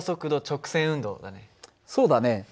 そうだね。